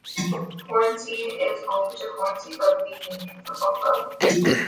Hornsea is home to Hornsea Rugby Union Football Club.